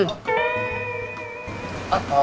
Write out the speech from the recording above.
lu buatan amat im lu